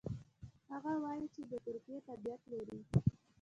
هغه وايي چې د ترکیې تابعیت لري.